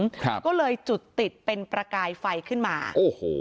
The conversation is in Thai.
ครับก็เลยจุดติดเป็นประกายไฟขึ้นมาโอ้โห